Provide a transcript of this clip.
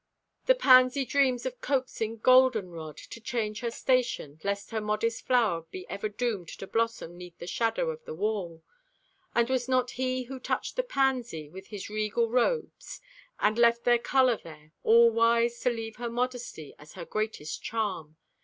The pansy dreams of coaxing goldenrod To change her station, lest her modest flower Be ever doomed to blossom 'neath the shadow of the wall. And was not He who touched the pansy With His regal robes and left their color there, All wise to leave her modesty as her greatest charm?